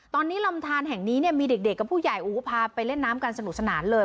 ตอนนี้ลำทานแห่งนี้เนี่ยมีเด็กกับผู้ใหญ่พาไปเล่นน้ำกันสนุกสนานเลย